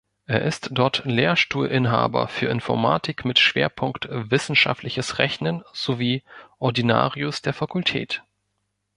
Er ist dort Lehrstuhlinhaber für Informatik mit Schwerpunkt Wissenschaftliches Rechnen sowie Ordinarius der Fakultät.